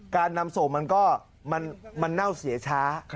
การนำส่งมันก็มันเน่าเสียช้า